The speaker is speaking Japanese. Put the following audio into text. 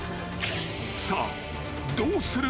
［さあどうする？